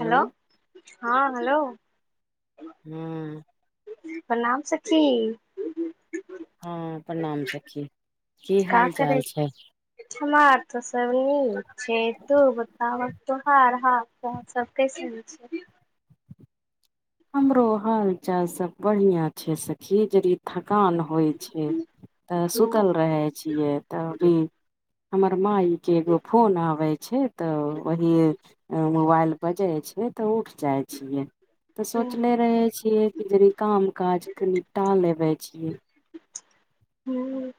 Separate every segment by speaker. Speaker 1: Hello हँ hello
Speaker 2: हूंम्म
Speaker 1: प्रणाम सखी
Speaker 2: हँ प्रणाम सखी की
Speaker 1: का
Speaker 2: हाल
Speaker 1: करै
Speaker 2: चाल छै
Speaker 1: हमार तऽ सब नीक छै तू बताब तोहार हाल सब कैसन छै
Speaker 2: हमरो हाल चाल सब बढ़ियाँ छै सखी जड़ी थकान होइ छै तऽ
Speaker 1: हूँ
Speaker 2: सुतल रहै छियै तऽभी हमर मााय के एगो फोन आबै छै तऽ वही मोबाइल बजै छै तऽ उठ जाइ छियै तऽ
Speaker 1: हूँ
Speaker 2: सोचले रहै छियै कि जनी काम काज क निपटा लेबै छियै
Speaker 1: हँ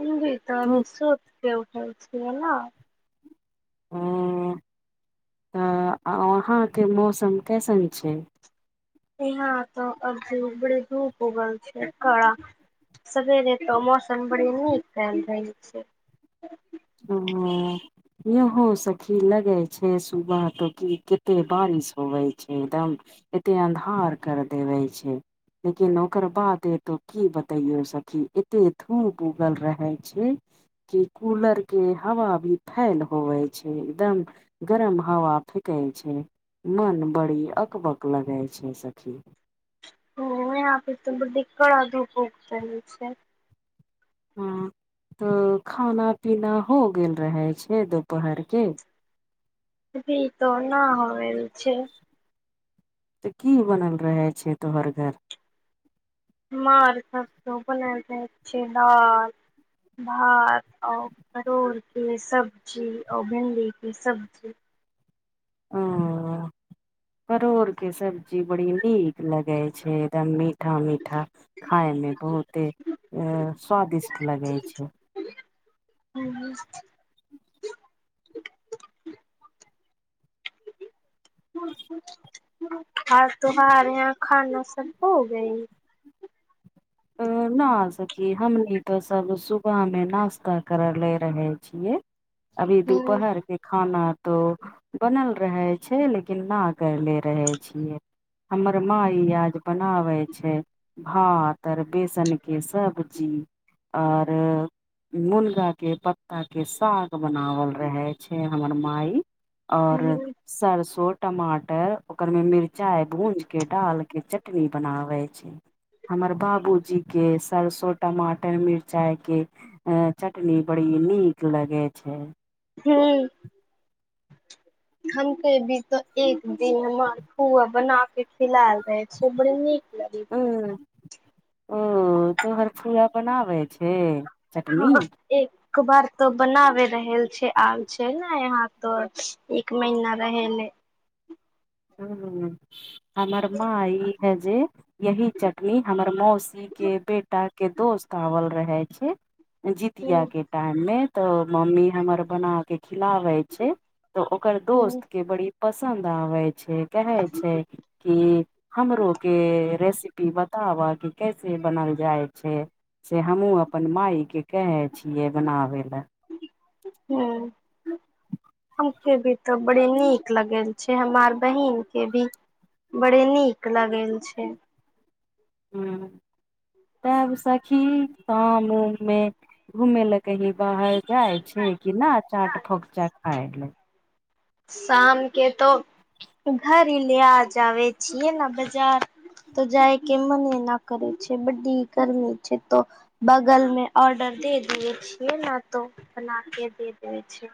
Speaker 1: भी तऽ
Speaker 2: ह
Speaker 1: अभी शत तऽ उठै छिये ना
Speaker 2: हँ तऽ वहाँके मौसम कैसन छै
Speaker 1: यहाँ तऽ अजी बड़ी धूप उगल छै काड़ा सेरेवे तऽ मौसम बड़ी नीक कमइ छै
Speaker 2: हँ यहो सखी लगे छै सुबह तो की कते बारिश होबै छै एकदम एते अन्धार कर देवे छै लेकिन ओकर बाद एतौ की बतैयो सखी एते धूप उगल रहे छै की कूलर के हवा भी फैल होवे छै एकदम गरम हवा फेकै छै मन बड़ी अकबक लगे छै सखी
Speaker 1: ओ तऽ बीडी कड़ा धूप उगतै कर छै
Speaker 2: हँ तऽ खाना पीना हो गेल रहै छै दुपहरके
Speaker 1: अभी तो न होल छै
Speaker 2: तऽ की बनल रहे छै तोहर घर
Speaker 1: हमर तऽ बनाल जाइ छिए दाल भात आ परोरके सब्जी आ भिंडीके सब्जी
Speaker 2: ओ परोर के सब्जी बड़ी नीक लगे छै एकदम मीठा मीठा खाायमे बहुते अ स्वादिष्ट लगैत छै
Speaker 1: हू [unintelligible] आर तोहार यहाँ खाना सब हो गेलै
Speaker 2: ना सखी हमनी ते सब सुबह मे नास्ता करे ले रहे छियै। अभी
Speaker 1: हूँ
Speaker 2: दुपहर के खाना तो बनल रहै छै लेकिन नऽ करले रहै छियै हमर माइ आज बनाबै छै भात आर बेसन के सब्जी आओर मुनगा के पत्ता के साग बनावल रहे छै हमर माइ आओर सरसों टमाटर ओकर मे मिरचाइ भूंज के डाल के चटनी बनावे छै हमर बाबूजी के सरसो टमाटर मिरचाइ के हँ चटनी बड़ी नीक लगे छै
Speaker 1: हूंम्म हम के भी तऽ एक दिन मार पुआ बना के खिलायल दैय छै ओ बड़ नीक लगे
Speaker 2: उंह ओ तोहर फुआ बनाबै छै चटनी
Speaker 1: हँ एक बार तऽ बनाबे रहल छै आल छै ने यहाँ तो एक महिना रहेले
Speaker 2: हूँ हूंम्म हमर माँ ई है जे यही चटनी हमर मौसी के बेटा के दोस्त आवल रहे छै जितिया
Speaker 1: हूँ
Speaker 2: के टाइम मे तऽ मम्मी हमर बना के खिलाबे छै तऽ ओकर
Speaker 1: हूँ
Speaker 2: दोस्त के बड़ी पसन्द आवै छै कहै छै कि हमरो के रेसपी बताबऽ की कैसे बनल जाइ छै से हमहुँ अपन माइके कहै छियै बनाबै लए
Speaker 1: हूंम्म के भी तऽ बड़ी नीक लगेल छै हमार बहिन के भी बड़े नीक लगेल छै
Speaker 2: हूंम्म तब सखी शाम उम मे घुमे लऽ कहीं बाहर जाइ छै कि न चाट फोकचा खाय ले
Speaker 1: शाम के तऽ घर ले आजबे छियै ने बजार तऽ जाइ के मने न करै छै बडी गर्मी छै तऽ बगल मे ऑर्डर दे दिये छियै ने तो बना के दे देे छै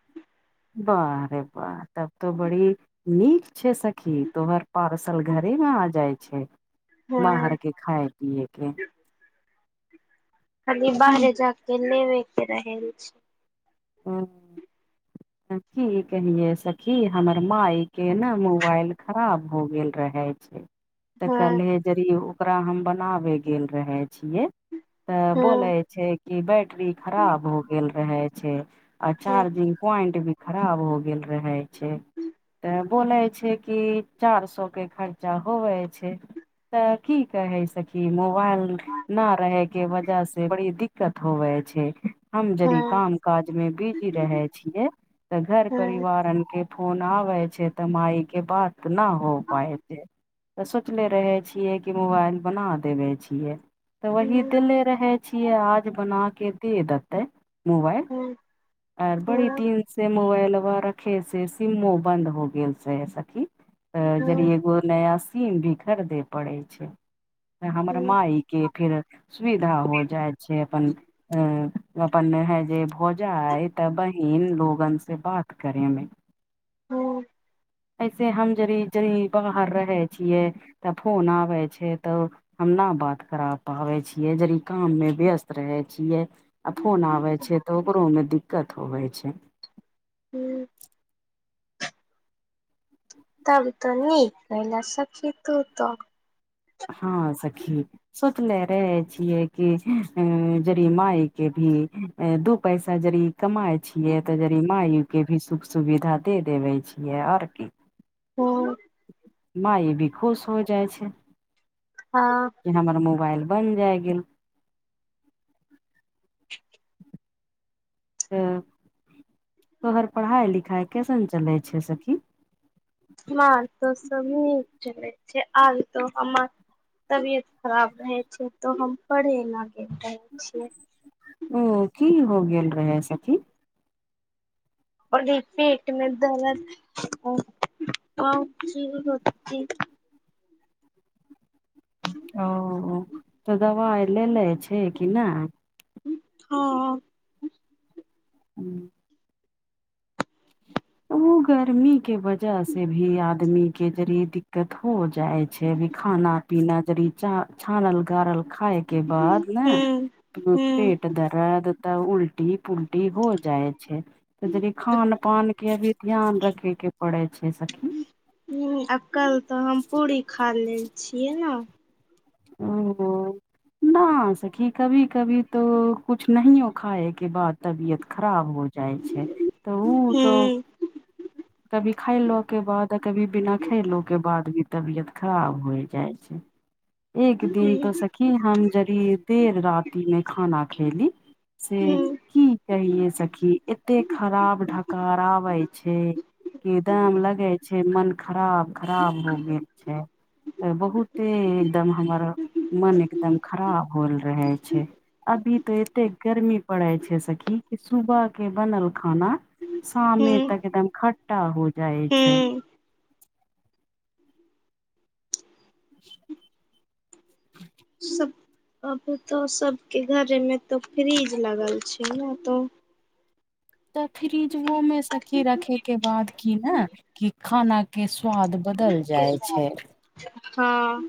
Speaker 2: बाह रे बाह तब तो बड़ी नीक छै सखी तोहर पार्सल घरे मे आ जाइ छै
Speaker 1: हँ
Speaker 2: बाहर के खाए पियए के
Speaker 1: खालि
Speaker 2: की
Speaker 1: बाहरे जाक के लेबे के रहै छै
Speaker 2: हँ की कहियै सखी हमर मााय के ने मोबाइल खराब हो गेल रहे छै तऽ
Speaker 1: हँ
Speaker 2: कलहे जड़ि ओकरा हम बनाबै गेल रहै छियै तऽ
Speaker 1: हँ
Speaker 2: बोले छै कि बैटरी खराब हो गेल रहे छै आ
Speaker 1: हँ
Speaker 2: चार्जिंग प्वाइंट भी खराब हो गेल रहै छै तब बोले छै कि चार सौ के खर्चा होवे छै तऽ की कहै सखी कि मोबाइल न रहे के वजह से बड़ी दिक्कत होवे छै हम यदि
Speaker 1: हँ
Speaker 2: काम काज मे बिजी रहे छियै तऽ घर
Speaker 1: हँ
Speaker 2: परिवारन के फोन आवै छै तऽ माइ के बात न हो पाय छै तऽ सोचले रहे छियै कि मोबाइल बना देवे छियै तऽ वही
Speaker 1: हँ
Speaker 2: देले रहै छियै आज बनाके दे देतै मोबाइल
Speaker 1: हँ
Speaker 2: बड़ी
Speaker 1: हँ
Speaker 2: से मोबाइला रखे से सिमो बंद हो गेल रहे छै सखी तऽ जड़ि
Speaker 1: हँ
Speaker 2: एगो नया सीम भी खरीदे पड़े छै तऽ हमर
Speaker 1: हँ
Speaker 2: माइ के फिर सुविधा हो जाइत छै अपन ऐं अपन नेहै जे भौजाय तऽ बहिन लोगन से बात करे मे
Speaker 1: हँ
Speaker 2: ऐसे हम जरी जरी बाहर रहे छियै तऽ फोन आबे छै तऽ हम नहि बात करा पाबै छियै जरी काममे व्यस्त रहै छियै आ फोन आबे छै तऽ ओकरोमे दिक्कत होबे छै
Speaker 1: हूँ तब तऽ नीक कयलो सखि तू
Speaker 2: हँ सखी सोचले रहे छियै कि अ जड़ माय के भी दू पैसा जड़ कमाय छियै तऽ जड़ि माय के भी सुख सुविधा दे देवे छियै आओर की
Speaker 1: हँ
Speaker 2: म ई भी खुश होय जाय छै
Speaker 1: हाँ
Speaker 2: कि हमर मोबाइल बन जाय गेल
Speaker 1: [unintelligible]
Speaker 2: तऽ तोहर पढ़ाइ लिखाइ कैसन चलै छै सखी
Speaker 1: हमर तऽ सब नीक चलैत छै आर तऽ हमर तबियत खराब रहै छै तऽ हम पढ़े ल रहै छियै
Speaker 2: उ की हो गेल रहै सखी
Speaker 1: पी पेट मे दर्द क ची हो
Speaker 2: ओ तऽ दबाइ लेे छै कि नहि
Speaker 1: हँ
Speaker 2: हूँ ओ गर्मी के वजह से भी आदमी के जरे द के हो जाइ छै अभी खाना पीना जदि छानल गारल खाय के बाद ने
Speaker 1: हूँ हूँ
Speaker 2: पेट दर्द तऽ उल्टी पुलटी हो जाए खान पान के भी ध्यान रखे के पड़े छै सखी
Speaker 1: कल तऽ हम पूरी खा लेले छियै ने
Speaker 2: ओ हो ना सखी कभी कभी तो कुछ नहि यो खाए के बाद तबीयत खराब हो जाए जाय छै तऽ ओ तऽ
Speaker 1: हूँ
Speaker 2: कभी खायलो के बाद आ कभी बिना खयलो के बाद भी तबियत खराब हो जाय छै
Speaker 1: [unintelligible]
Speaker 2: एक दिन तो सखी हम जड़ि देर राति मे खाना खयली से
Speaker 1: हूँ
Speaker 2: की कहिेयै सखी एते खराब ढकार आबै छै के दाम लगे छै मन खराब खराब हो गेल छै बहुते एकदम हमर मन एकदम खराब होल रहे छै अभी तो एते गर्मी पड़े छै सखी की सुबह के बनल खाना शामे
Speaker 1: हूँ
Speaker 2: तक एकदम खट्टा हो जाय छै
Speaker 1: हूँ
Speaker 2: [unintelligible]
Speaker 1: सब अभी तो सबके घरे मे तो फ्रिज लगल छै ने तो
Speaker 2: तऽ फ्रिजो में सखी रखे के बाद की ने कि खाना के स्वाद बदल जाय छै
Speaker 1: हाँ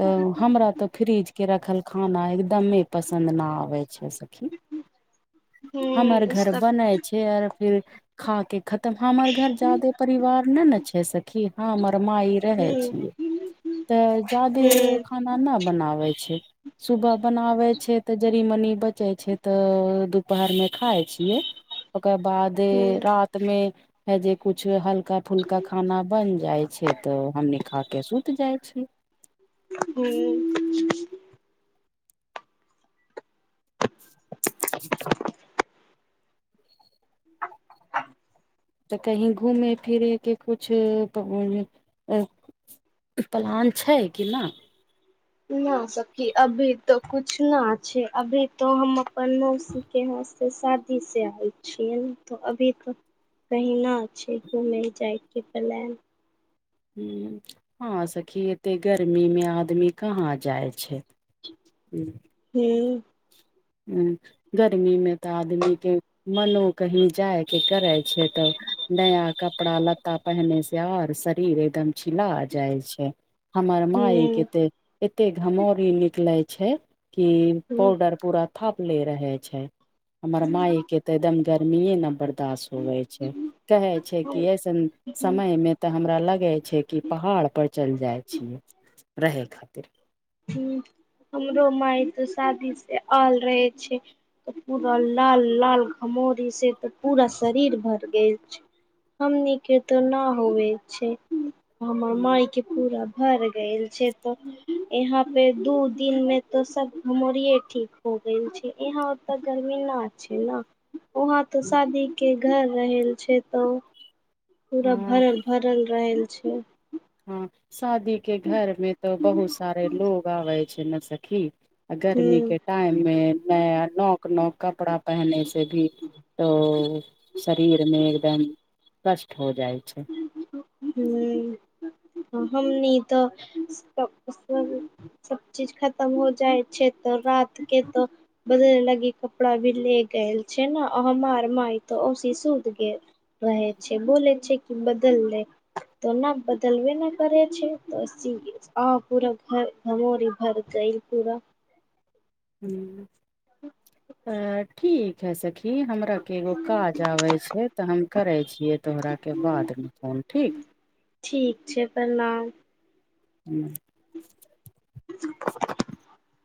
Speaker 2: तऽ हमरा तऽ फ्रीजके रखल खाना एकदमे पसन्द नहि आबैत छै सखी
Speaker 1: हूँ
Speaker 2: हमर घर
Speaker 1: इसका
Speaker 2: बन छै आर फिर खा के खतम हमर घर जादे परिवार नहि न छै सखी हम आओर माय रहे
Speaker 1: हूँ
Speaker 2: छियै तऽ जादे
Speaker 1: हूँ
Speaker 2: खाना नहि बनाबै छै सुबह बनाबे छै तऽ जरी मनी बचे छै तऽ दु पहर में खाय छियै ओकर बाद
Speaker 1: हूँ
Speaker 2: रात में हे जे कुछ हल्क हलका फुल्का खाना बन जाय छै तऽ हमनी खा के सुति जाय छै
Speaker 1: हू
Speaker 2: [unintelligible] तऽ कहीं घूमे फिरे के कुछ प्लान छै कि नहि
Speaker 1: [unintelligible] न सखि अभी तो कुछ ना छै अभी तो हम अपन के यहा से शादी से आयल छियै त अभी त कहीना छै घूमे जाइके प्लान
Speaker 2: ह हँ सखी एते गर्मी मे आदमी कहाँ जाइ छै ह्म
Speaker 1: हू
Speaker 2: गर्मी मे तऽ आदमीके मनो कही जायके करै छै तऽ नया कपड़ा लत्ता पहने से आर शरीर एकदम छिला जाइ छै हमर माय
Speaker 1: हूँ
Speaker 2: केते एते घमौरी निकले छै कि
Speaker 1: हूँ
Speaker 2: पाउडर पूरा थप ले रहे छै हमर माय के ते एकदम गर्मीे ने बड़ दाश हुवे छै कहे छै कि ऐसन
Speaker 1: हूँ
Speaker 2: समय में ते हमरा लगे छै छै कि पहाड़ पर चलि जाय छियऐ रहै खातिर
Speaker 1: ह हमरो माय तऽ शादी से आल रहै छै तऽ पूरा लाल लाल घमोरी से तऽ पूरा शरीर भर गेल छै हमनी के तो न होवे छै हमर मायके पूरा भर गेल छै तऽ यहा पे दू दिन में तो सब घमोरिये ठीक हो गेल छै यहा ताे गर्मी न वहाँ तऽ शादी के घर रहल छै तऽ पूरा
Speaker 2: हँ
Speaker 1: भरल भरल रहल छै
Speaker 2: हँ शादी के घर मे तऽ बहुत सारे लोग आबे छै न सखी गर्मी
Speaker 1: ह
Speaker 2: के टाइम मे नया नोक नोक कपड़ा पहने से भी ओ तऽ शरीर मे एकदम कष्ट हो जाय छै
Speaker 1: ह हमनी तऽ सब चीज खत्म हो जायछै तऽ रात के तऽ बदल लगी कपड़ा भी ल क एल छै ने हमार माय त औशी सुत गेल रहे छै बोलै छै कि बदल लेब त न बदलबे नहि करे छै आ पूरा घर घमोरी भर गइल पूरा
Speaker 2: हूँ
Speaker 1: ह
Speaker 2: अ ठीक हय सखी हमरा के एगो काज आबे छै तऽ हम करे छियै तोहरा के बादमे फोन ठीक
Speaker 1: ठीक छै प्रणाम
Speaker 2: हूँ
Speaker 1: [unintelligible]